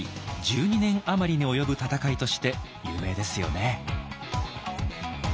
１２年余りに及ぶ戦いとして有名ですよね。